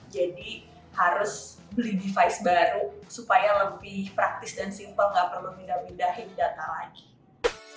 jadi harus beli device baru supaya lebih praktis dan simple tidak perlu pindah pindahin data lagi